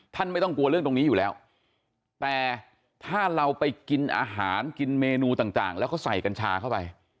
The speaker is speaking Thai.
ไม่ต้องกลัวเรื่องตรงนี้อยู่แล้วแต่ถ้าเราไปกินอาหารกินเมนูต่างแล้วก็ใส่กัญชาเข้าไป